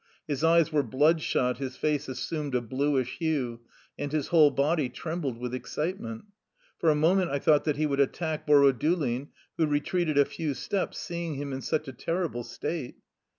His eyes were bloodshot, his face assumed a bluish hue, and his whole body trem bled with excitement. For a moment I thought that he would attack Borodulin who retreated a few steps, seeing him in such a terrible state.